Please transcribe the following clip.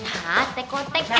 hah tekotek eh takut